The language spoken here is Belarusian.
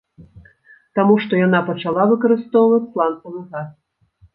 Таму што яна пачала выкарыстоўваць сланцавы газ.